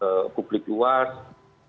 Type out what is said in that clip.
teman teman ini cukup harco oleh publik luas